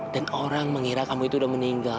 orang mengira kamu itu udah meninggal